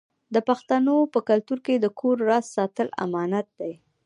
د پښتنو په کلتور کې د کور راز ساتل امانت دی.